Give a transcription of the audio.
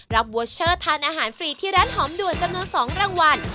เวอร์เชอร์ทานอาหารฟรีที่ร้านหอมด่วนจำนวน๒รางวัล